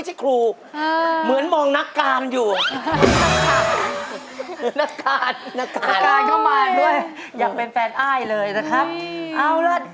จริงขาดละลุกนะ